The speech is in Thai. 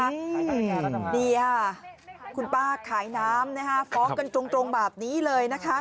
นี่คุณป้าขายน้ำนะฮะฟ้องกันโจรงแบบนี้เลย